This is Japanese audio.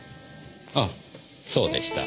ああそうでした。